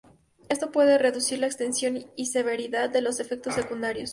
Esto puede reducir la extensión y severidad de los efectos secundarios.